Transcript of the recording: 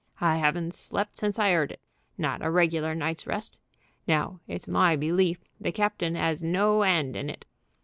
I 'aven't slept since I 'eard it, not a regular night's rest. Now, it's my belief the captain 'as no 'and in it."